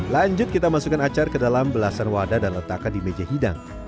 lanjut kita masukkan acar ke dalam belasan wadah dan letakkan di meja hidang